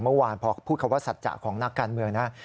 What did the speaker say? เมื่อวานพอพูดคำว่าสัจจะของนักการเมืองนะ